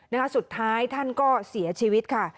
นะคะสุดท้ายท่านก็เสียชีวิตค่ะ